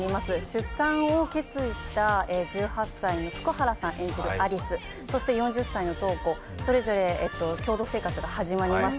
出産を決意した、１８歳の福原さん演じる有栖、そして４０歳の瞳子それぞれ共同生活が始まります。